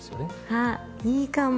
あいいかも。